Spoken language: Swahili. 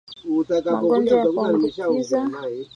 magonjwa ya kuambukiza